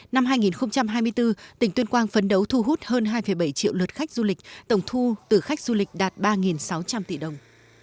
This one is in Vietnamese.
năm hai nghìn hai mươi bốn tỉnh tuyên quang phấn đấu thu hút hơn hai bảy triệu lượt khách du lịch tổng thu từ khách du lịch đạt ba sáu trăm linh tỷ đồng